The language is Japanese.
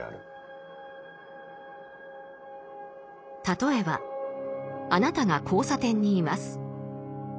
例えばあなたが交差点にいます。